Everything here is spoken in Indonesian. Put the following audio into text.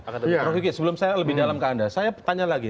prof kiki sebelum saya lebih dalam ke anda saya tanya lagi